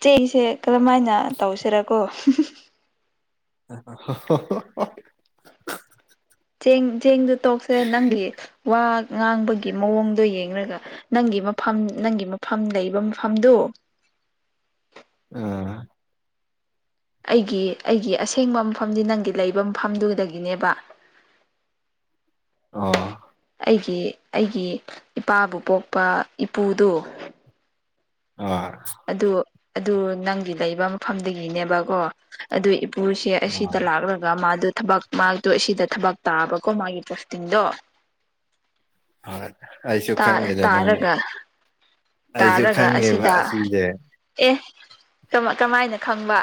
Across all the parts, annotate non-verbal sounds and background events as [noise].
ꯆ ꯆꯩꯁꯦ ꯀꯔꯝ ꯍꯥꯏꯅ ꯇꯧꯁꯤꯔꯀꯣ [unintelligible] ꯆꯦꯡ ꯆꯦꯡꯗꯨ ꯇꯣꯛꯁꯦ ꯅꯪꯒꯤ ꯋꯥ ꯉꯥꯡꯕꯒꯤ ꯃꯑꯣꯡꯗꯣ ꯌꯦꯡꯂꯡꯒ ꯅꯪꯒꯤ ꯃꯐꯝ ꯅꯪꯒꯤ ꯃꯐꯝ ꯂꯩꯕ ꯃꯐꯝꯗꯨꯣ [unintelligible] ꯑ ꯑꯩꯒꯤ ꯑꯩꯒꯤ ꯑꯁꯦꯡꯕ ꯃꯐꯝꯗꯤ ꯅꯪꯒꯤ ꯂꯩꯕ ꯃꯐꯝꯗꯨꯗꯒꯤꯅꯦꯕ [unintelligible] ꯑ ꯑꯩꯒꯤ ꯑꯩꯒꯤ ꯏꯄꯥꯕꯨ ꯄꯣꯛꯄ ꯏꯄꯨꯗꯨ ꯑꯣ ꯑꯗꯨ ꯑꯗꯨ ꯅꯪꯒꯤ ꯂꯩꯕ ꯃꯐꯝꯗꯒꯤꯅꯦꯕꯀꯣ ꯑꯗꯨ ꯎꯁꯦ ꯑꯣ ꯑꯁꯤꯗ ꯂꯥꯛꯂꯒ ꯃꯥꯗꯨ ꯊꯕꯛ ꯃꯥꯗꯣ ꯑꯁꯤꯗ ꯊꯕꯛ ꯇꯥꯕꯀꯣ ꯃꯥꯒꯤ ꯄꯣꯁꯇꯤꯡꯗꯣ ꯑꯩ ꯑꯩꯁꯨ ꯈꯪꯗ ꯅ ꯇꯥꯔꯒ ꯇꯥꯔꯒ ꯑꯁꯤꯗ ꯑꯦ ꯀꯃꯥꯏꯅ ꯈꯪꯕ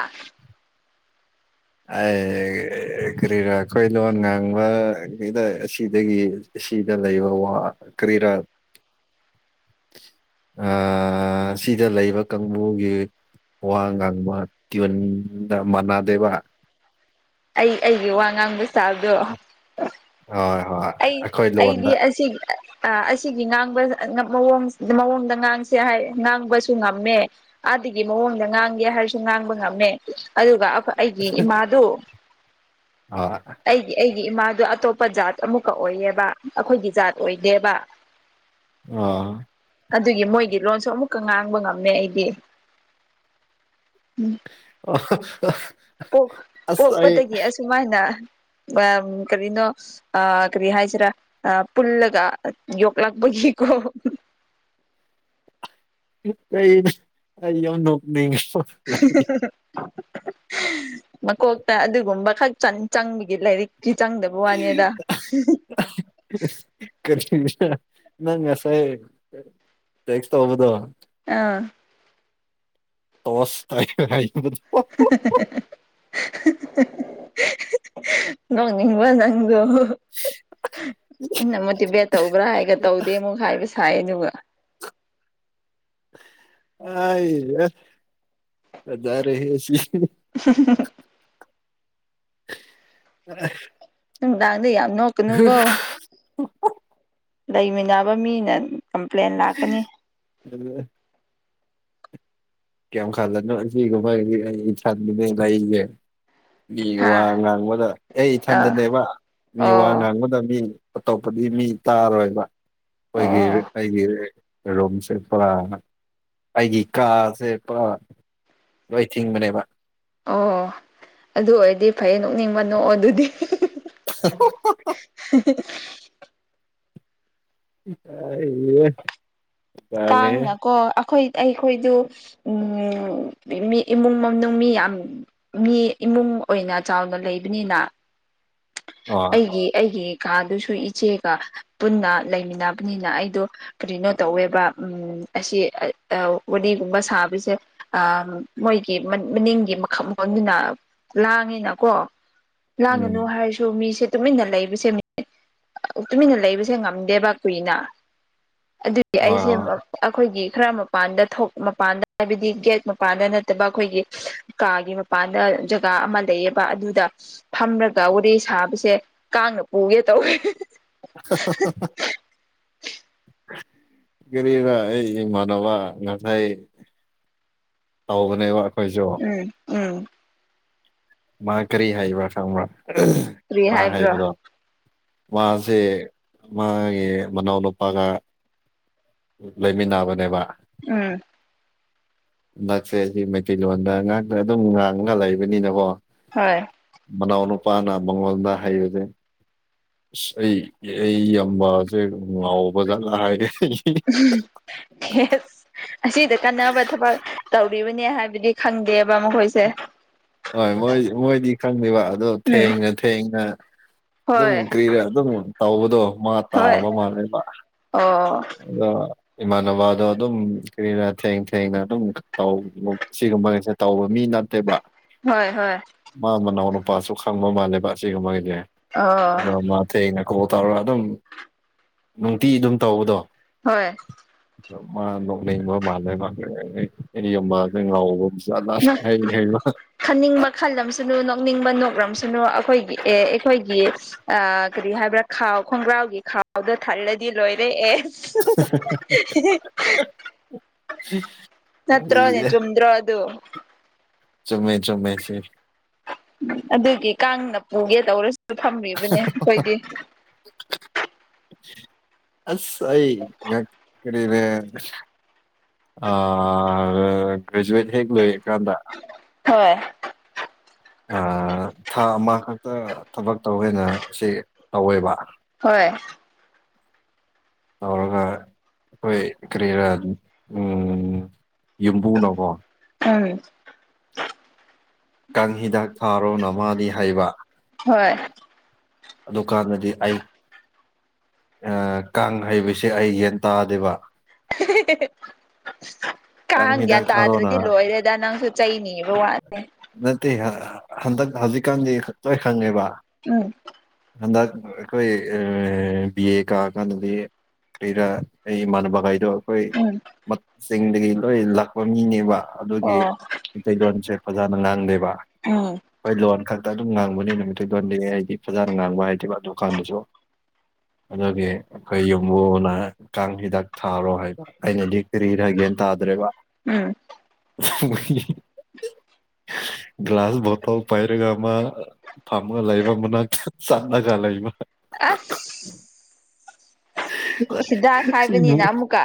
ꯑꯩ ꯀꯔꯤꯔꯥ ꯑꯩꯏ ꯂꯣꯟ ꯉꯥꯡꯕꯗ ꯑꯁꯤꯗꯒꯤ ꯁꯤꯗ ꯂꯩꯕ ꯋꯥ ꯀꯔꯤꯔꯥ [unintelligible] ꯑ ꯁꯤꯗ ꯂꯩꯕ ꯀꯥꯡꯕꯨꯒꯤ ꯋꯥ ꯉꯥꯡꯕ ꯇꯤꯌꯟꯗ ꯃꯥꯟꯅꯗꯦꯕ ꯑꯩ ꯑꯩꯒꯤ ꯋꯥ ꯉꯥꯡꯕ ꯆꯥꯕꯗꯣ ꯍꯣꯏ ꯍꯣꯏ ꯑꯩ ꯑꯩꯈꯣꯏ ꯑꯩꯗꯤ ꯂꯣꯟꯗ ꯑꯁꯤꯒꯤ ꯉꯥꯡꯕ ꯃꯑꯣꯡ ꯃꯑꯣꯡꯗ ꯉꯥꯡꯁꯦ ꯍꯥꯏ ꯉꯥꯡꯕꯁꯨ ꯉꯝꯃꯦ ꯑꯗꯨꯥꯗꯒꯤ ꯃꯑꯣꯡꯗ ꯉꯥꯡꯒꯦ ꯍꯥꯏꯔꯁꯨ ꯉꯥꯡꯕ ꯉꯝꯃꯦ ꯑꯗꯨꯒ ꯑꯩ ꯑꯩꯒꯤ ꯏꯃꯥꯗꯨ ꯑ [unintelligible] ꯑꯩ ꯏꯃꯥꯗꯣ ꯑꯇꯣꯞꯄ ꯖꯥꯠ ꯑꯃꯨꯛꯀ ꯑꯣꯏꯌꯦꯕ ꯑꯩꯈꯣꯏꯒꯤ ꯖꯥꯠ ꯑꯣꯏꯗꯦꯕ ꯑ [unintelligible] ꯑꯗꯨꯒꯤ ꯃꯣꯏꯒꯤ ꯂꯣꯟꯁꯨ ꯑꯃꯨꯛꯀ ꯉꯥꯡꯕ ꯉꯝꯃꯦ ꯑꯩꯗꯤ ꯎꯝ ꯑ [unintelligible] ꯄꯣꯛꯄꯗꯒꯤ ꯑꯁꯨꯃꯥꯏꯅ ꯀꯔꯤꯅꯣ ꯀꯔꯤ ꯍꯥꯏꯁꯤꯔꯥ ꯄꯨꯜꯂꯒ ꯌꯣꯛꯂꯛꯄꯒꯤ ꯏꯀꯣ ꯀ ꯑ ꯅ ꯅ [unintelligible] [inaudible] ꯍꯤꯍꯥ ꯍꯥ [inaudible] ꯃꯀꯣꯛꯇ ꯑꯗꯨꯒꯨꯝꯕ ꯈꯛ ꯆꯪꯕꯒꯤ ꯂꯥꯏꯔꯤꯛ ꯀ ꯆꯪꯗꯕ ꯋꯥꯅꯤꯗ ꯔꯤ ꯅꯪ ꯉꯁꯥꯏ ꯇꯦꯛꯁ ꯇ ꯍꯕꯗꯣ ꯑꯥ ꯇꯣꯁ ꯇꯥꯏ ꯍꯥꯏ ꯅꯣꯡꯅꯤꯡꯕ ꯅꯪ ꯑꯗꯣ ꯑ ꯃꯣꯇꯤꯚꯦꯠ ꯇꯧꯕ꯭ꯔꯥ ꯍꯥꯏꯒ ꯇꯧꯗꯦ ꯑꯃꯨꯛ ꯍꯥꯏꯕꯁ ꯍꯥꯏ ꯍꯣꯏꯕ [inaudible] ꯑ ꯌꯥ ꯍꯖꯔꯦꯁꯤ ꯎꯃꯍꯨꯛ [inaudible] ꯑ ꯅꯨꯡꯗꯥꯡꯗ ꯌꯥꯝ ꯅꯣꯛꯀꯅꯨꯕꯣ ꯎꯄ ꯂꯩꯃꯤꯟꯅꯕ ꯃꯤꯅ ꯀꯝꯄ꯭ꯂꯦꯟ ꯂꯥꯛꯀꯅꯤ ꯑꯗꯨ ꯀꯌꯥꯝ ꯈꯜꯂꯅꯣ ꯁꯤ ꯀꯥꯏ ꯑꯩ ꯏꯅꯦ ꯂꯩꯒꯦ ꯃꯤ ꯋꯥ ꯍꯥ ꯉꯥꯡꯕꯗ ꯑꯩ ꯑꯥ ꯏꯊꯟꯗꯅꯦꯕ ꯃꯤ ꯋꯥ ꯑꯣ ꯉꯥꯡꯕꯗ ꯃꯤ ꯑꯇꯣꯞꯄꯗꯤ ꯃꯤ ꯇꯥꯔꯣꯏꯕ ꯑꯩꯈꯣꯏꯒꯤ ꯑꯣ ꯑꯩꯒꯤ ꯀ ꯔꯣꯝꯁꯦ ꯑꯩꯒꯤ ꯀꯥꯁꯦ ꯂꯣꯏ ꯊꯤꯡꯕꯅꯦꯕ ꯑꯣ ꯑꯗꯨ ꯑꯣꯏꯔꯗꯤ ꯐꯩ ꯅꯣꯛꯅꯤꯡꯕ ꯅꯣꯛꯑꯣ ꯑꯗꯨꯗꯤ ꯍꯥꯍꯥꯖꯍꯥ [inaudible] ꯁꯤꯁ꯭ [inaudible] ꯑ ꯏ [unintelligible] [inaudible] ꯀꯥꯡꯅ ꯀꯣ ꯑꯩꯈꯣꯏ ꯑꯩꯈꯣꯏꯗꯨ ꯎ ꯃꯤ ꯏꯃꯨꯡ ꯃꯅꯨꯡ ꯃꯤ ꯌꯥꯝ ꯃꯤ ꯏꯃꯨꯡ ꯑꯣꯏꯅ ꯆꯥꯎꯅ ꯂꯩꯕꯅꯤꯅ ꯑꯣ ꯑꯩꯒꯤ ꯑꯩꯒꯤ ꯀꯥꯗꯨꯁꯨ ꯏꯆꯦꯒ ꯄꯨꯟꯅ ꯂꯩꯃꯤꯟꯅꯕꯅꯤꯅ ꯑꯩꯗꯣ ꯀꯔꯤꯅꯣ ꯇꯧꯋꯦꯕ ꯎꯝ ꯑꯁꯤ ꯋꯥꯔꯤꯒꯨꯝꯕ ꯁꯥꯕꯁꯦ ꯃꯣꯏꯒꯤ ꯃꯅꯤꯡꯒꯤ ꯃꯈ ꯃꯈꯟꯗꯨꯅ ꯂꯥꯡꯉꯤꯅꯀꯣ ꯂꯥꯡꯉꯅꯨ ꯎꯝ ꯍꯥꯏꯔꯁꯨ ꯃꯤꯁꯦ ꯇꯨꯃꯤꯟꯅ ꯂꯩꯕꯁꯦ ꯇꯨꯃꯤꯟꯅ ꯂꯩꯕꯁꯦ ꯉꯝꯗꯦꯕ ꯀꯨꯏꯅ ꯑꯗꯨꯗꯤ ꯑꯩꯁꯦ ꯑꯣ ꯑꯩꯈꯣꯏꯒꯤ ꯈꯔ ꯃꯄꯥꯟꯗ ꯊꯣꯛ ꯃꯄꯥꯟꯗ ꯍꯥꯏꯕꯗꯤ ꯒꯦꯠ ꯃꯄꯥꯟꯗ ꯅꯠꯇꯕ ꯑꯩꯈꯣꯏꯒꯤ ꯀꯥꯒꯤ ꯃꯄꯥꯟꯗ ꯖꯒꯥ ꯑꯃ ꯂꯩꯌꯦꯕ ꯑꯗꯨꯗ ꯐꯝꯔꯒ ꯋꯥꯔꯤꯦ ꯁꯥꯕꯁꯦ ꯀꯥꯡꯅ ꯄꯨꯒꯦ ꯇꯧꯋ ꯍꯥꯍꯥꯍꯥꯍꯥ [inaudible] ꯀꯔꯤ ꯑꯩ ꯃꯅꯅꯕ ꯉꯁꯥꯏ ꯇꯧꯕꯅꯦꯕ ꯑꯩꯈꯣꯏꯁꯨ ꯎꯝ ꯎꯝ ꯃꯥ ꯀꯔꯤ ꯍꯥꯏꯕ꯭ꯔꯥ ꯈꯪꯕ꯭ꯔꯥ ꯀꯔꯤ ꯃꯥ ꯍꯥꯏꯕ꯭ꯔꯣ ꯍꯥꯏꯕꯗꯣ ꯃꯥꯁꯦ ꯃꯥꯒꯤ ꯃꯅꯥꯎ ꯅꯨꯄꯥꯒ ꯂꯩꯃꯤꯟꯅꯕꯅꯦꯕ ꯎꯝ ꯅꯛꯁꯦ ꯁꯤ ꯃꯩꯇꯩꯂꯣꯟꯗ ꯉꯥꯡꯅ ꯑꯗꯨꯝ ꯉꯥꯡꯉꯒ ꯂꯩꯕꯅꯤꯅꯀꯣ ꯍꯣꯏ ꯃꯅꯥꯎ ꯅꯨꯄꯥꯅ ꯃꯉꯣꯟꯗ ꯍꯩꯕꯁꯦ ꯑꯁ ꯑꯩ ꯑꯩ ꯌꯥꯝꯕꯁꯦ ꯉꯥꯎꯕꯖꯠꯂ ꯍꯥꯏ ꯑꯩ [unintelligible] ꯑꯁꯤꯗ ꯀꯥꯟꯅꯕ ꯊꯕꯛ ꯇꯧꯔꯤꯕꯅꯦ ꯍꯥꯏꯕꯗꯤ ꯈꯪꯗꯦꯕ ꯃꯈꯣꯏꯁꯦ ꯍꯣꯏ ꯃꯣꯏ ꯃꯣꯏꯗꯤ ꯈꯪꯗꯦꯕ ꯑꯗꯣ ꯎꯝ ꯊꯦꯡꯅ ꯊꯦꯡꯅ ꯑꯗꯨꯝ ꯍꯣꯏ ꯀꯔꯤꯔ ꯑꯗꯨꯝ ꯇꯧꯕꯗꯣ ꯃꯥ ꯍꯣꯏ ꯇꯥꯕ ꯃꯥꯅꯦ ꯃꯥ ꯑꯣ ꯑ ꯏꯃꯥꯟꯅꯕꯗꯣ ꯑꯗꯨꯝ ꯀꯅ ꯊꯦꯡ ꯊꯦꯡꯅ ꯑꯗꯨꯝ ꯁꯤꯒꯨꯝꯕꯁꯦ ꯇꯧꯕ ꯃꯤ ꯅꯠꯇꯦꯕ ꯍꯣꯏ ꯍꯣꯏ ꯃꯥ ꯃꯅꯥꯎ ꯅꯨꯄꯥꯁꯨ ꯈꯪꯕ ꯃꯥꯜꯂꯦꯕ ꯑꯁꯤꯒ ꯃꯥꯒꯤꯁꯦ ꯑꯣ ꯑꯗꯣ ꯃꯥꯊꯦꯡ ꯀꯣꯜ ꯇꯧꯔꯒ ꯑꯗꯨꯝ ꯅꯨꯡꯇꯤ ꯑꯗꯨꯝ ꯇꯧꯕꯗꯣ ꯍꯣꯏ ꯃꯥ ꯅꯣꯛꯅꯅꯤꯡꯕ ꯃꯥꯜꯂꯦ ꯃꯥꯜꯦ ꯑꯦꯔꯤ ꯑꯃ ꯉꯥꯎꯕ ꯆꯠꯂ ꯅ ꯈꯟꯅꯤꯡꯕ ꯈꯜꯂꯝꯁꯅꯨ ꯅꯣꯛꯅꯤꯡꯕ ꯅꯣꯛꯂꯝꯝꯁꯨꯅꯨ ꯀꯣ ꯑꯩꯈꯣꯏꯒꯤ ꯑꯦ ꯑꯩꯈꯣꯏꯒꯤ ꯀꯔꯤ ꯍꯥꯏꯕ꯭ꯔꯥ ꯈꯥꯎ ꯈꯣꯡꯒ꯭ꯔꯥꯎꯒꯤ ꯈꯥꯎꯗ ꯊꯥꯔꯗꯤ ꯂꯣꯏꯔꯦ ꯑꯦ ꯅꯠꯇ꯭ꯔꯣꯅꯦ ꯏꯌꯦ ꯆꯨꯝꯗ꯭ꯔꯣ ꯑꯗꯨ ꯆꯨꯝꯃꯦ ꯆꯨꯝꯃꯦ ꯁꯤ ꯑꯗꯨꯒꯤ ꯀꯥꯡꯅ ꯄꯨꯒꯦ ꯇꯧꯔꯁꯨꯁꯨ ꯐꯝꯔꯤꯕꯅꯦ ꯑꯩꯈꯣꯏꯗꯤ ꯑꯁ ꯑꯩ ꯉ ꯀꯔꯤ ꯒ꯭ꯔꯦꯖꯨꯋꯦꯠ ꯍꯦꯛ ꯂꯣꯏꯔꯀꯥꯟꯗ ꯍꯣꯏ ꯊꯥ ꯑꯃ ꯈꯛꯇ ꯊꯕꯛ ꯇꯧꯋꯦꯅ ꯁꯤ ꯇꯧꯋꯦꯕ ꯍꯣꯏ ꯇꯧꯔꯒꯥ ꯑꯩꯈꯣꯏ ꯀꯔꯤꯔ ꯎꯝ ꯌꯨꯝꯕꯨꯅꯣꯀꯣ ꯎꯝ ꯀꯥꯡꯪ ꯍꯤꯗꯥꯛ ꯐꯥꯔꯣ ꯅꯃꯥꯗꯤ ꯍꯩꯕ ꯍꯣꯏ ꯑꯗꯨꯗꯨꯀꯥꯟꯗꯗꯤ ꯑꯩ ꯀꯥꯡ ꯍꯩꯕꯁꯦ ꯑꯩ ꯌꯦꯟ ꯇꯥꯗꯦꯕ [unintelligible] ꯀꯥꯡ ꯍꯤꯗꯥꯛ ꯒ꯭ꯌꯥꯟ ꯊꯥꯔꯣꯅ ꯇꯥꯗ꯭ꯔꯗꯤ ꯂꯣꯏꯔꯦꯗ ꯅꯪꯁꯨ ꯆꯩꯅꯤꯕ ꯋꯥꯅꯤꯦ ꯅꯠꯇꯦ ꯍꯟꯗꯛ ꯍꯧꯖꯤꯛꯀꯥꯟꯗꯤ ꯂꯣꯏ ꯈꯪꯉꯦꯕ ꯎꯝ ꯍꯟꯗꯛ ꯑꯩꯈꯣꯏ ꯕꯤ ꯑꯦ ꯀꯛꯑꯀꯥꯟꯗꯗꯤ ꯀꯩꯔꯥ ꯑꯩ ꯏꯃꯥꯟꯅꯕꯈꯩꯗꯣ ꯑꯩꯈꯣꯏ ꯎꯝ ꯆꯤꯡꯗꯒꯤ ꯂꯣꯏ ꯂꯥꯛꯄ ꯃꯤꯅꯦꯕ ꯑꯗꯨꯒꯤ ꯑꯣ ꯃꯩꯇꯩꯂꯣꯟꯁꯦ ꯐꯖꯅ ꯉꯥꯡꯗꯦꯕ ꯎꯝ ꯑꯩꯈꯣꯏ ꯂꯣꯟ ꯈꯛ ꯑꯗꯨꯝ ꯉꯥꯡꯕꯅꯦ ꯅꯨꯃꯤꯠꯇꯗꯣꯟꯗꯤ ꯑꯩꯗꯤ ꯐꯖꯅ ꯉꯥꯡꯕ ꯍꯥꯏꯗꯦꯕ ꯑꯗꯨ ꯀꯥꯟꯗꯁꯨ ꯑꯗꯨꯒꯤ ꯑꯩꯈꯣꯏ ꯌꯨꯝꯕꯨꯅ ꯀꯥꯡ ꯍꯤꯗꯥꯛ ꯊꯥꯔꯣ ꯍꯥꯏꯕ ꯑꯩꯅꯗꯤ ꯀꯔꯤ ꯍꯥꯏꯒꯦ ꯌꯦ ꯇꯗ꯭ꯔꯦꯒ ꯎꯝ [unintelligible] ꯒ꯭ꯂꯁ ꯣꯇꯜ ꯄꯥꯏꯔꯒ ꯑꯃ ꯐꯔꯃꯒ ꯂꯥꯏꯕ ꯃꯅꯥ ꯁꯥꯥꯟꯗ ꯀꯥꯂꯏ ꯃꯥ ꯑꯁ ꯍꯤꯗꯥꯛ ꯍꯥꯏꯕꯅꯤꯅ [unintelligible] ꯑꯃꯨꯛꯀ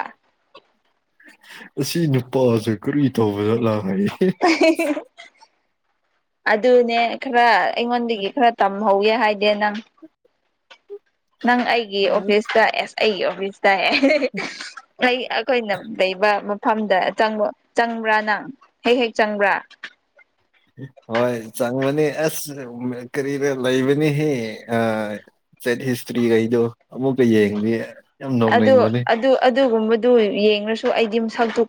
ꯑꯁꯤ ꯅꯨꯄꯥꯁꯦ ꯀꯔꯤ ꯇꯧꯕ ꯆꯠꯂꯥ ꯍꯥꯏꯔꯤ ꯑꯗꯨꯅꯦ ꯈꯔ ꯑꯩꯉꯣꯟꯗꯒꯤ ꯈꯔ ꯇꯝꯃꯦ ꯍꯧꯋꯦ ꯍꯥꯏꯗꯦ ꯅꯪ ꯅꯪ ꯑꯩꯒꯤ ꯑꯣꯐꯤꯁꯇ ꯑꯦꯁ ꯑꯩꯒꯤ ꯑꯣꯐꯤꯁ ꯇꯥꯏ ꯑꯩꯈꯣꯏꯅ ꯂꯩꯕ ꯃꯐꯝꯗ ꯆꯪꯕ ꯆꯪꯕ꯭ꯔꯥ ꯅꯪ ꯍꯦꯛ ꯍꯦꯛ ꯆꯪꯕ꯭ꯔꯥ ꯍꯣꯏ ꯆꯪꯕꯅꯤ ꯑꯁ ꯀꯔꯤꯗ ꯂꯩꯕꯅꯤꯍ ꯑ ꯆꯠ ꯍꯤꯁꯇ꯭ꯔꯤ ꯀꯗꯣ ꯑꯃꯛ ꯀꯩ ꯌꯥ ꯑꯗꯨ ꯑꯗꯨ‌ ꯑꯗꯨ ꯑꯗꯨꯒꯨꯝꯕꯗꯨ ꯌꯦꯡꯁꯨ ꯑꯩꯒꯤ ꯃꯁꯛꯇꯨ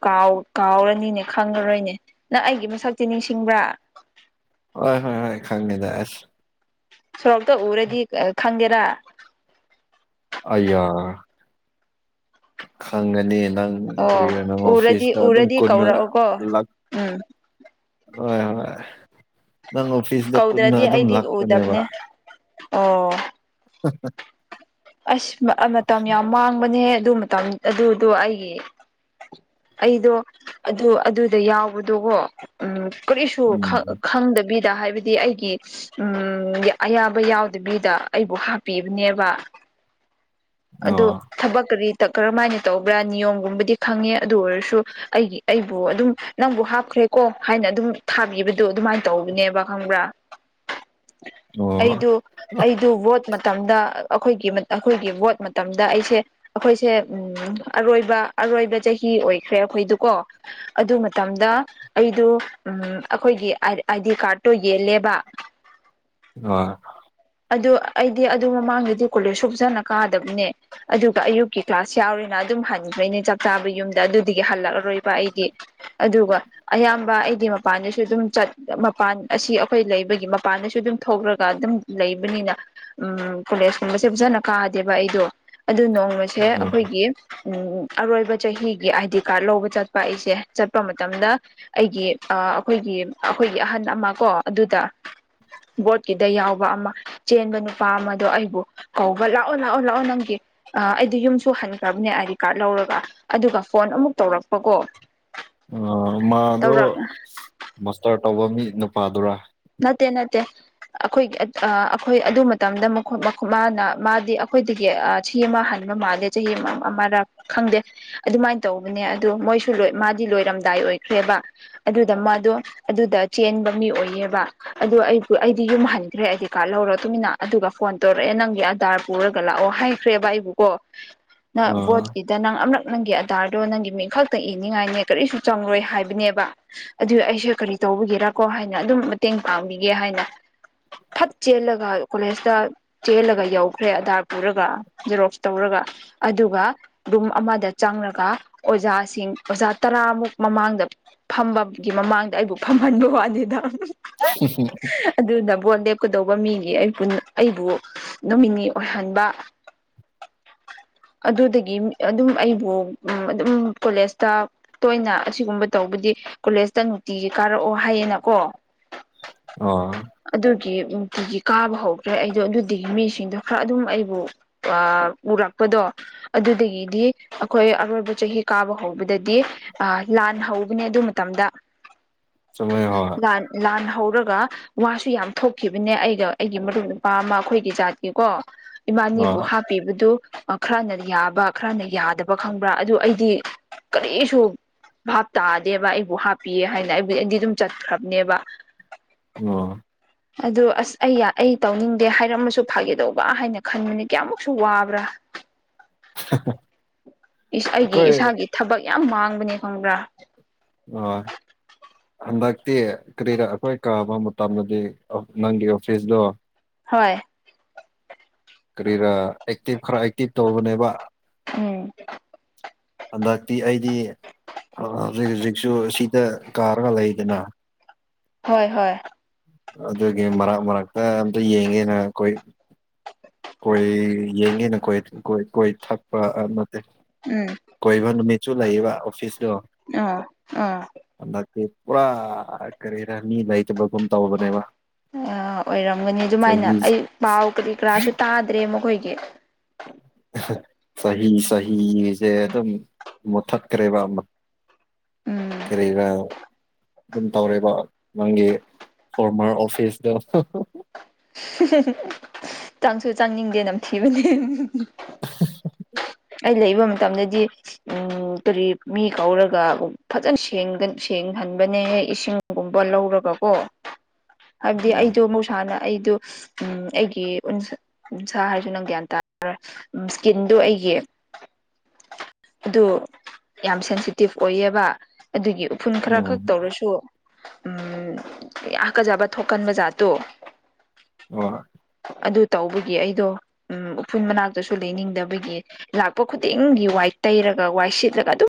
ꯀꯥꯎꯔꯅꯤꯅꯦ ꯈꯪꯉꯔꯣꯏꯅꯦ ꯅꯪ ꯑꯩꯒꯤ ꯃꯁꯛ ꯆꯛꯁꯤ ꯅꯤꯡꯁꯤꯡꯕ꯭ꯔꯥ ꯍꯣꯏ ꯍꯣꯏ ꯍꯣꯏ ꯈꯪꯉꯦꯗꯁ ꯁꯣꯔꯣꯞꯇ ꯎꯔꯦꯗꯤ ꯈꯪꯒꯦꯔꯥ ꯑꯌꯥ ꯈꯪꯒꯅꯤꯅ ꯅꯪ ꯑꯣ ꯀꯔꯤ ꯅꯪ ꯎꯔꯗꯤ ꯑꯣꯐꯤꯁꯇ ꯑꯗꯨꯝ ꯎꯔꯗꯤ ꯀꯅ ꯀꯧꯔꯛꯑꯣꯀꯣ ꯂ ꯎꯝ ꯍ ꯍ ꯅꯪ ꯑꯣꯐꯤꯁꯇ ꯀꯨꯟꯅ ꯀꯧꯗ꯭ꯔꯗꯤ ꯑꯗꯨꯝ ꯑꯩꯗꯤ ꯂꯥꯛꯄꯅꯦꯕ ꯎꯗꯕꯅꯦ ꯎꯝ ꯑꯣ ꯑꯁ ꯃꯇꯝ ꯌꯥꯝ ꯃꯥꯡꯕꯅꯦꯍ ꯑꯗꯨ ꯃꯇꯝ ꯑꯗꯨꯗꯣ ꯑꯩꯒꯤ ꯑꯩꯗꯣ ꯑꯗꯨ ꯑꯗꯨꯗ ꯌꯥꯎꯕꯗꯣꯀꯣ ꯎꯝ ꯀꯔꯤꯁꯨ ꯎꯝ ꯈꯪꯗꯕꯤ ꯗ ꯍꯥꯏꯕꯗꯤ ꯑꯩꯒꯤ ꯎꯝ ꯑꯌꯥꯕ ꯌꯥꯎꯗꯕꯤꯗ ꯑꯩꯕꯨ ꯍꯥꯞꯄꯤꯕꯅꯦꯕ ꯑꯗꯨꯗꯣ ꯑꯣ ꯊꯕꯛꯔꯤ ꯀꯔꯝ ꯍꯥꯏꯅ ꯇꯧꯕ꯭ꯔꯥ ꯅꯤꯌꯣꯝꯒꯨꯝꯕꯗꯤ ꯈꯪꯉꯦ ꯑꯗꯨ ꯑꯣꯏꯔꯁꯨ ꯑꯩꯒꯤ ꯑꯩꯕꯨ ꯑꯗꯨꯝ ꯅꯪꯕꯨ ꯍꯥꯞꯈ꯭ꯔꯦ ꯦ ꯀꯣ ꯍꯥꯏꯅ ꯑꯗꯨꯝ ꯊꯥꯕꯤꯕꯗꯨꯣ ꯑꯗꯨꯃꯥꯏꯅ ꯇꯧꯕꯅꯦꯕ ꯈꯪꯕ꯭ꯔꯥ ꯑꯣ ꯑꯩꯗꯨ ꯑꯩꯗꯨ ꯚꯣꯠ ꯃꯇꯝꯗ ꯑꯩꯈꯣꯏꯒꯤ ꯑꯩꯈꯣꯏꯒꯤ ꯚꯣꯠ ꯃꯇꯝꯗ ꯑꯩꯁꯦ ꯑꯩꯈꯣꯏꯁꯦ ꯎꯝ ꯑꯔꯣꯏꯕ ꯑꯔꯣꯏꯕ ꯆꯍꯤ ꯑꯣꯏꯈ꯭ꯔꯦ ꯑꯩꯈꯣꯏꯗꯨꯀꯣ ꯑꯗꯨ ꯃꯇꯝꯗ ꯑꯩꯗꯣ ꯎꯝ ꯑꯩꯈꯣꯏꯒꯤ ꯑꯥꯏꯗꯤ ꯀꯥꯔꯠꯇꯣ ꯌꯦꯜꯂꯦꯕ [inaudible] ꯑ ꯑꯗꯨ ꯑꯩꯗꯤ ꯑꯗꯨ ꯃꯃꯥꯡꯗꯗꯤ ꯀꯣꯂꯦꯖ ꯁꯨꯞꯖꯅ ꯀꯥ ꯅꯦ ꯑꯗꯨꯒ ꯑꯌꯨꯛ ꯀ꯭ꯂꯥꯁ ꯌꯥꯎꯔꯤꯅ ꯑꯗꯨꯝ ꯍꯟꯈ꯭ꯔꯅꯦ ꯆꯞ ꯆꯕ ꯌꯨꯝꯗ ꯑꯗꯨ ꯍꯜꯂꯛꯑꯔꯣꯏ ꯑꯩꯗꯤ ꯑꯗꯨꯒ ꯑꯌꯥꯝꯕ ꯑꯩꯗꯤ ꯃꯄꯥꯟꯗꯁꯨ ꯑꯗꯨꯝ ꯃꯄꯥꯟ ꯑꯁꯤ ꯑꯩꯈꯣꯏ ꯂꯩꯕ ꯑꯩꯈꯣꯏꯒꯤ ꯃꯄꯥꯟꯗꯁꯨ ꯑꯗꯨꯝ ꯊꯣꯛꯂꯒ ꯑꯗꯨꯝ ꯂꯩꯕꯅꯤꯅ ꯎꯝ ꯀꯣꯂꯦꯖ ꯀꯨꯝꯕꯁꯦ ꯐꯖꯅ ꯀꯥ ꯗꯦꯕ ꯑꯩꯗꯣ ꯑꯗꯨ ꯅꯣꯡꯃꯁꯦ ꯑꯩꯈꯣꯏꯒꯤ ꯎ ꯑꯔꯣꯏꯕ ꯆꯍꯤꯒꯤ ꯑꯥꯏꯗꯤ ꯀꯥꯔꯗ ꯂꯧꯕ ꯆꯠꯄ ꯑꯩꯁꯦ ꯆꯠꯄ ꯃꯇꯝꯗ ꯑꯩꯒꯤ ꯑꯩꯈꯣꯏꯒꯤ ꯑꯩꯈꯣꯏꯒꯤ ꯑꯍꯟ ꯑꯃ ꯀꯣ ꯑꯗꯨꯗ ꯕꯣꯠꯀꯤꯗ ꯌꯥꯎꯕ ꯑꯃ ꯆꯦꯟꯕ ꯅꯨꯄꯥ ꯑꯃꯗꯣ ꯑꯩꯕꯨ ꯀꯧꯕ ꯂꯥꯛ ꯂꯥꯛꯑꯣ ꯂꯥꯛꯑꯣ ꯂꯥꯛꯑꯣ ꯅꯪꯒꯤ ꯑꯩꯗꯤ ꯌꯨꯝꯁꯨ ꯍꯟꯈ꯭ꯔꯕꯅꯦ ꯑꯥꯏ ꯗꯤ ꯀꯥꯔꯗ ꯂꯧꯔꯒ ꯑꯗꯨꯒ ꯐꯣꯟ ꯑꯃꯨꯛ ꯇꯧꯔꯛꯄ ꯃꯀꯣꯛ ꯃꯥꯗꯣ ꯃꯁꯇꯔ ꯇꯧꯕ ꯃꯤ ꯅꯨꯄꯥꯗꯨꯔꯥ ꯅꯠꯇꯦ ꯅꯠꯇꯦ ꯑꯩꯈꯣꯏ ꯑꯩꯈꯣꯏ ꯑꯗꯨ ꯃꯇꯝꯗ ꯃꯥꯅ ꯃꯥꯗꯤ ꯑꯩꯈꯣꯏꯗꯒꯤ ꯁꯤ ꯑꯃ ꯍ ꯃꯥꯂꯦ ꯆꯍꯤ ꯑꯃ ꯑꯃ ꯈꯪꯗꯦ ꯑꯗꯨꯃꯥꯏꯅ ꯇꯧꯕꯅꯦ ꯑ ꯃꯣꯏꯁꯨ ꯃꯥꯗꯤ ꯂꯣꯏꯔꯝꯗꯥꯏ ꯑꯣꯏꯈ꯭ꯔꯦꯕ ꯑꯗꯨꯗ ꯃꯥꯗꯣ ꯑꯗꯨꯗ ꯆꯦꯟꯕ ꯃꯤ ꯑꯣꯏꯌꯦꯕ ꯑꯗꯨ ꯑꯩꯕꯨ ꯑꯩꯗꯤ ꯌꯨꯝꯍꯟꯈ꯭ꯔꯦ ꯑꯩꯗꯤ ꯀꯥꯔꯗ ꯂꯧꯔꯣ ꯇꯨꯃꯤꯟꯅ ꯑꯗꯨꯒ ꯐꯣꯟ ꯇꯧꯔꯛꯑꯦ ꯅꯪꯒꯤ ꯑꯙꯥꯔ ꯄꯨꯔꯒ ꯂꯥꯛ ꯂꯥꯛꯑꯣ ꯍꯥꯏꯈ꯭ꯔꯦꯕ ꯑꯩꯕꯨꯀꯣ ꯅꯪ ꯑꯥ ꯚꯣꯠꯀꯤꯗ ꯅꯪ ꯑꯃꯛ ꯅꯪꯒꯤ ꯑꯙꯔꯗꯣ ꯅꯪꯒꯤ ꯃꯤꯡꯈꯛꯇ ꯏꯅꯤꯡꯉꯥꯏꯅꯦ ꯀꯔꯤꯁꯨ ꯆꯪꯂꯣꯏ ꯍꯥꯏꯕꯅꯦꯕ ꯑꯗꯨ ꯑꯩꯁꯦ ꯀꯔꯤ ꯇꯧ ꯇꯧꯕꯒꯦꯔ ꯀꯣ ꯍꯥꯏꯅ ꯑꯗꯨꯝ ꯃꯇꯦꯡ ꯄꯥꯡꯕꯤꯒꯦ ꯍꯥꯏꯅ ꯐꯠ ꯆꯦꯜꯂꯒ ꯀꯣꯂꯦꯖꯇ ꯆꯦꯜꯂꯒ ꯌꯧꯈ꯭ꯔꯦ ꯑꯙꯔ ꯄꯨꯔꯒ ꯖꯔꯣꯞꯁ ꯇꯧꯔꯒ ꯑꯗꯨꯒ ꯔꯨꯝ ꯑꯃꯗ ꯆꯪꯂꯪꯂꯒ ꯑꯣꯖꯥꯁꯤꯡ ꯑꯣꯖꯥ ꯇꯔꯥꯃꯨꯛ ꯃꯃꯥꯡꯗ ꯐꯝꯕꯒꯤ ꯃꯃꯥꯡꯗ ꯑꯩꯕꯨ ꯐꯝꯍꯟꯕ ꯋꯥꯅꯤꯦꯗ ꯑꯗꯨꯗ ꯕꯣꯣꯟ ꯂꯦꯞꯀꯗꯧꯕ ꯃꯤꯒꯤ ꯑꯩ ꯑꯩꯕꯨ ꯅꯨꯃꯤꯅꯤ ꯑꯣꯏꯍꯟꯕ [unintelligible] ꯑꯗꯨꯗꯒꯤ ꯑꯗꯨꯝ ꯑꯩꯕꯨ ꯎ ꯑꯗꯨꯝ ꯀꯣꯂꯦꯖꯇ ꯇꯣꯏꯅ ꯑꯁꯤꯒꯨꯝꯕ ꯇꯧꯕꯗꯤ ꯀꯣꯂꯦꯖꯇ ꯅꯨꯡꯇꯤꯒꯤ ꯀꯥꯔꯛꯑꯣ ꯍꯥꯏꯌꯦꯅꯀꯣ ꯑ ꯑꯗꯨꯒꯤ ꯅꯨꯡꯇꯤꯒꯤ ꯀꯥꯕ ꯍꯧꯈ꯭ꯔꯦ ꯑꯩꯗꯣ ꯑꯗꯨꯗꯒꯤ ꯃꯤꯁꯤꯡꯗꯣ ꯈꯔ ꯑꯗꯨꯝ ꯑꯩꯕꯨ ꯎꯔꯛꯄ ꯗꯣ ꯑꯗꯨꯗꯒꯤꯗꯤ ꯑꯩꯈꯣꯏ ꯑꯔꯣꯏꯕ ꯆꯍꯤ ꯀꯥꯕ ꯍꯧꯕꯗꯗꯤ ꯂꯥꯟ ꯍꯧꯧꯕ ꯎꯧꯕꯅꯦ ꯑꯗꯨ ꯃꯇꯝꯗ ꯁꯣꯏ ꯍ ꯂꯥꯟ ꯂꯥꯟ ꯍꯧꯔꯒ ꯋꯥꯁꯨ ꯌꯥꯝ ꯊꯣꯛꯈꯤꯕꯅꯦ ꯑꯩꯒ ꯑꯩꯒꯤ ꯃꯔꯨꯞ ꯅꯨꯄꯥ ꯑꯃ ꯑꯩꯈꯣꯏꯒꯤ ꯖꯥꯠꯀꯤꯀꯣ ꯏꯃꯥꯅꯤꯕꯨ ꯑꯥ ꯑꯥ ꯍꯥꯞꯄꯤꯕꯗꯨ ꯈꯔꯅ ꯌꯥꯕ ꯈꯔꯅ ꯌꯥꯗꯕ ꯈꯪꯕ꯭ꯔꯥ ꯑꯗꯨ ꯑꯩꯗꯤ ꯀꯔꯤꯁꯨ ꯚꯥꯞ ꯇꯥꯗꯦꯕ ꯑꯩꯕꯨ ꯍꯥꯞꯄꯤꯌꯦ ꯍꯥꯏꯅ ꯑꯩꯕꯨꯗꯤ ꯑꯩꯗꯤ ꯑꯗꯨꯝ ꯆꯠꯈ꯭ꯔꯕꯅꯦꯕ ꯑ ꯑꯗꯨ ꯑꯁ ꯑꯩ ꯑꯩ ꯇꯧꯅꯤꯡꯗꯦ ꯍꯥꯏꯔꯝꯃꯁꯨ ꯐꯥꯒꯦꯗꯧꯕ ꯍꯥꯏꯅ ꯈꯟꯕꯅꯤ ꯀꯌꯥꯃꯨꯛꯁꯨ ꯋꯥꯕ꯭ꯔꯥ [unintelligible] ꯑꯩꯒꯤ ꯑꯩꯈꯣꯏ ꯏꯁꯥꯒꯤ ꯊꯕꯛ ꯌꯥꯝ ꯃꯥꯡꯕꯅꯦ ꯈꯪꯕ꯭ꯔꯥ ꯑ ꯍꯟꯗꯛꯇꯤ ꯀꯔꯤꯔ ꯑꯩꯈꯣꯏ ꯀꯥꯕ ꯃꯇꯝꯗꯗꯤ ꯅꯪꯒꯤ ꯑꯣꯐꯤꯁꯗꯣ ꯍꯣꯏ ꯀꯔꯤꯔꯥ ꯑꯦꯛꯇꯤꯚ ꯈꯔ ꯑꯦꯛꯇꯤꯚ ꯇꯧꯕꯅꯦꯕ ꯎꯝ ꯍꯟꯗꯛꯇꯤ ꯑꯩꯗꯤ ꯑ ꯍꯧꯖꯤꯛ ꯍꯧꯖꯤꯛꯁꯨ ꯁꯤꯗ ꯀꯥꯔꯒ ꯂꯩꯗꯅ ꯍꯣꯏ ꯍꯣꯏ ꯑꯗꯨꯒꯤ ꯃꯔꯛ ꯃꯔꯛꯇ ꯑꯝꯇ ꯌꯦꯡꯉꯦꯅ ꯑꯩꯈꯣꯏ ꯀꯣꯏ ꯌꯦꯡꯉꯤꯅ ꯀꯣꯏ ꯀꯣꯏ ꯀꯣꯏ ꯊꯛꯄ ꯑꯃ ꯎꯝ ꯀꯣꯏꯕ ꯅꯨꯃꯤꯠꯁꯨ ꯂꯩꯌꯦꯕ ꯑꯣꯐꯤꯁꯇꯣ ꯑꯥ ꯑꯥ ꯍꯟꯗꯛ ꯄꯨꯔꯥ ꯀꯔꯦꯔꯅꯤ ꯂꯩꯥꯏꯇ ꯑ ꯑꯣꯏꯔꯝꯒꯅꯤ ꯑꯗꯨꯃꯥꯏꯅ ꯆꯍꯤ ꯑꯩ ꯄꯚꯥꯎ ꯀꯔꯤ ꯀ ꯥꯁꯨ ꯇꯥꯗ꯭ꯔꯦ ꯃꯈꯣꯏꯒꯤ ꯁꯦ ꯑꯗꯨꯝ ꯃꯨꯠꯊꯠꯈ꯭ꯔꯦꯕ ꯑꯃ ꯎꯝ ꯀꯔꯤꯒ ꯑꯗꯨꯝ ꯇꯧꯔꯦꯕ ꯅꯪꯒꯤ ꯐꯣꯔꯃꯔ ꯑꯣꯐꯤꯁꯇ ꯆꯥꯡꯁꯨ ꯆꯪꯅꯤꯡꯗꯦ ꯅꯝꯊꯤꯕꯅꯤ [unintelligible] ꯑꯩ ꯂꯩꯕ ꯃꯇꯝꯗꯗꯤ ꯀꯔꯤ ꯃꯤ ꯀꯧꯔꯒ ꯐꯖꯅ ꯁꯦꯡꯅ ꯈꯟꯕꯅꯦꯍ ꯏꯁꯤꯡꯒꯨꯝꯕ ꯂꯧꯔꯒ ꯀꯣ ꯍꯥꯏꯕꯗꯤ ꯎꯝ ꯑꯩꯗꯣ ꯃꯨꯧꯁꯥꯅ ꯑꯩꯗ ꯎꯝ ꯑꯩꯒꯤ ꯎꯟꯁꯥ ꯍꯥꯏꯔꯁꯨ ꯅꯪ ꯒ꯭ꯌꯥꯟ ꯇꯥ ꯏꯁꯀꯤꯟꯗꯣ ꯑꯩꯒꯤ ꯑꯗꯨ ꯌꯥꯝ ꯁꯦꯟꯁꯤꯇꯤꯞ ꯑꯣꯏꯌꯦꯕ ꯑꯗꯨꯒꯤ ꯎꯐꯨꯜ ꯈꯔ ꯈꯛ ꯎꯝ ꯇꯧꯔꯁꯨ ꯎꯝ ꯑꯀꯖꯕ ꯊꯣꯛꯀꯟꯕ ꯖꯥꯠꯇꯣ ꯑ ꯑꯗꯨ ꯇꯧꯕꯒꯤ ꯑꯩꯗꯣ ꯎꯝ ꯎꯐꯨꯟ ꯃꯅꯥꯛꯇꯁꯨ ꯂꯩꯅꯤꯡꯗꯕꯒꯤ ꯂꯥꯛꯄ ꯈꯨꯗꯤꯡꯒꯤ ꯋꯥꯏ ꯇꯩꯔꯒ ꯋꯥꯏ ꯁꯤꯠꯂꯒ ꯑꯗꯨꯝ